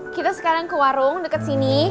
kita sekarang ke warung dekat sini